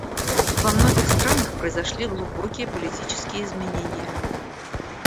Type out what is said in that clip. Во многих странах произошли глубокие политические изменения.